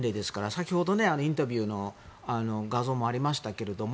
先ほどインタビューの画像もありましたけど。